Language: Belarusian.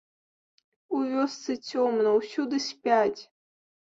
У вёсцы цёмна, усюды спяць.